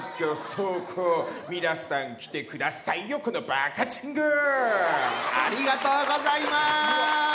倉庫皆さん来てくださいよこのばかちんが！ありがとうございます。